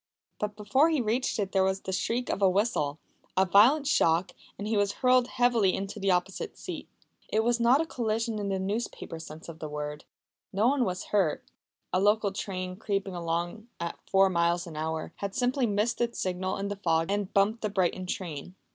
But before he reached it there was the shriek of a whistle, a violent shock, and he was hurled heavily into the opposite seat. It was not a collision in the newspaper sense of the word. No one was hurt. A local train, creeping along at four miles an hour, had simply missed its signal in the fog and bumped the Brighton train.